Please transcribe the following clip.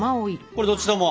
これどっちとも？